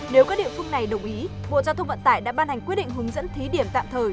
nếu các địa phương này đồng ý bộ giao thông vận tải đã ban hành quyết định hướng dẫn thí điểm tạm thời